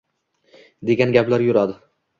degan gaplar yuradi.